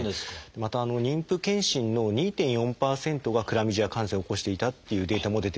また妊婦健診の２．４％がクラミジア感染を起こしていたっていうデータも出ております。